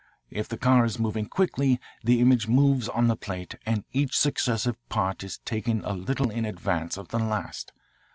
If the car is moving quickly the image moves on the plate and each successive part is taken a little in advance of the last.